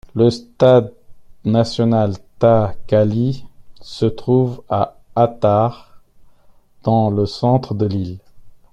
Le stade national Ta 'Qali se trouve à Attard, dans le centre de l'île.